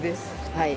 はい。